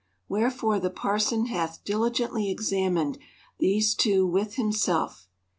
Wherefore the parson hath dili gently examined these two with himself.